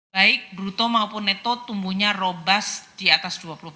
baik bruto maupun neto tumbuhnya robus di atas dua puluh empat